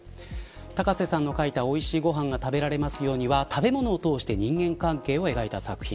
高瀬さんの書いたおいしいごはんが食べられますようには食べ物を通して人間関係を描いた作品。